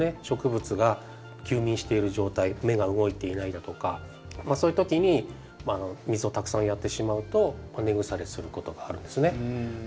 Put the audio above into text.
植物が休眠している状態芽が動いていないだとかそういう時に水をたくさんやってしまうと根腐れすることがあるんですね。